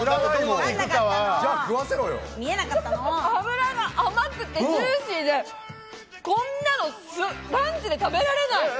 脂が甘くてジューシーで、こんなのランチで食べられない！